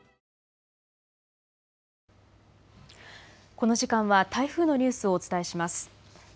この時間は台風のニュースをお伝えします。